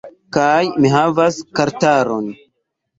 Kaj mi havas kartaron